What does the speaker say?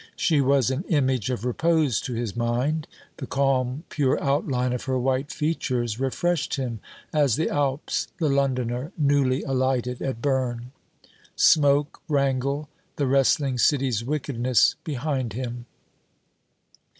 She was an image of repose to his mind. The calm pure outline of her white features refreshed him as the Alps the Londoner newly alighted at Berne; smoke, wrangle, the wrestling city's wickedness, behind him.